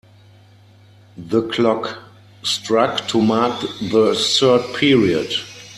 The clock struck to mark the third period.